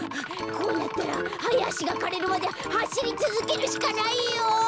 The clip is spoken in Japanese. こうなったらハヤアシがかれるまではしりつづけるしかないよ！